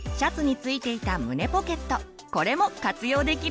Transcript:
これも活用できるんです。